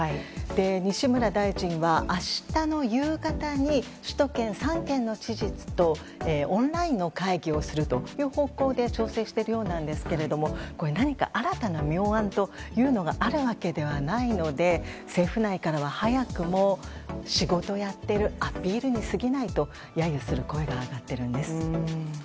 西村大臣は、明日の夕方に首都圏３県の知事とオンラインの会議をするという方向で調整しているようなんですけれども何か、新たな妙案というのがある訳ではないので政府内では早くも仕事をやっているアピールにすぎないと揶揄する声が上がっているんです。